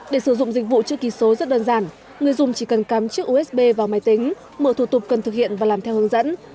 để sử dụng dịch vụ chữ ký số rất đơn giản người dùng chỉ cần cắm chữ usb vào máy tính mở thủ tục cần thực hiện và làm theo hướng dẫn